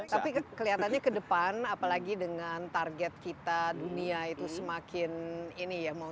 tapi kelihatannya ke depan apalagi dengan target kita dunia itu semakin ini ya